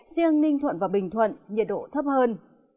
riêng ninh thuận và bình thuận nhiệt độ thấp hơn